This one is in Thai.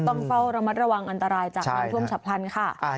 ก็ต้องเฝ้าระมัดระวังอันตรายจากมันท่วมฉับพันธุ์ค่ะ